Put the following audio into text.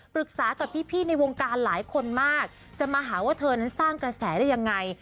ปรึกษากับพี่ในวงการหลายคนมากจะมาหาว่าเธอนั้นสร้างกระแสได้ยังไง